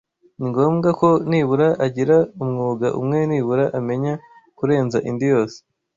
ni ngombwa ko nibura agira umwuga umwe nibura amenya kurenza indi yose.